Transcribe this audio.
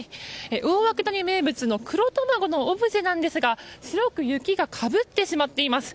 大涌谷名物の黒たまごのオブジェなんですが白く雪がかぶってしまっています。